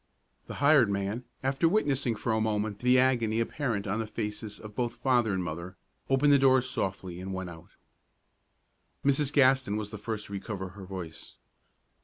The hired man, after witnessing for a moment the agony apparent on the faces of both father and mother, opened the door softly and went out. Mrs. Gaston was the first to recover her voice.